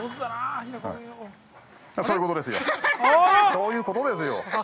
◆そういうことですよ。